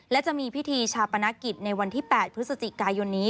และจะมีพิธีชาปนกิจในวันที่๘พฤศจิกายนนี้